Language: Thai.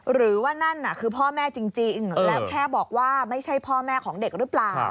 หรือว่านั่นน่ะคือพ่อแม่จริงแล้วแค่บอกว่าไม่ใช่พ่อแม่ของเด็กหรือเปล่า